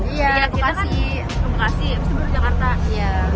iya kita kan ke bekasi ke jakarta